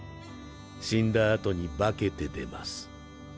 死んだ後に化けて出ます